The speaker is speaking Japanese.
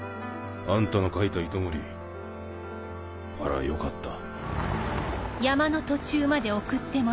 あんたの描いた糸守あらぁ良かった。